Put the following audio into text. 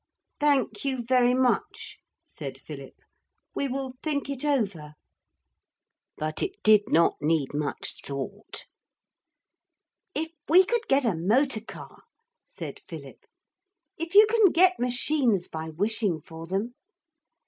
'Thank you very much,' said Philip; 'we will think it over.' But it did not need much thought. 'If we could get a motor car!' said Philip. 'If you can get machines by wishing for them. ..